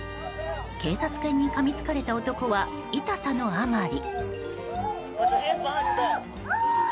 警察犬にかみつかれた男は痛さのあまり。